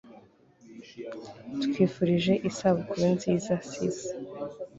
twifurije isabukuru nziza sis